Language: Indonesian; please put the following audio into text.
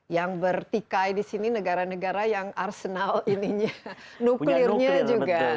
yang bertikai di sini negara negara yang arsenal ininya nuklirnya juga